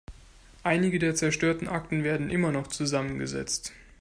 Einige der zerstörten Akten werden immer noch zusammengesetzt.